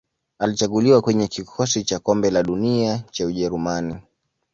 Alichaguliwa kwenye kikosi cha Kombe la Dunia cha Ujerumani.